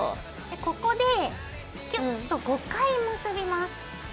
ここでキュッと５回結びます。